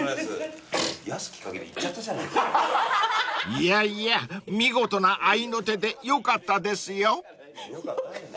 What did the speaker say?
［いやいや見事な合いの手でよかったですよ］